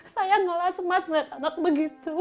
saya ngelas mas melihat anak begitu